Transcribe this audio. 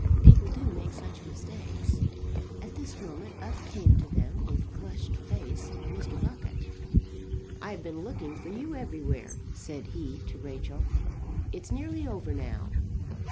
People do make such mistakes." At this moment up came to them, with flushed face, Mr. Buckett. "I have been looking for you everywhere," said he to Rachel. "It's nearly over now."